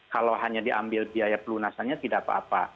kalau hanya diambil biaya pelunasannya tidak apa apa